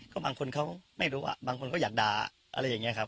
ก็บางคนเขาไม่รู้อ่ะบางคนก็อยากด่าอะไรอย่างนี้ครับ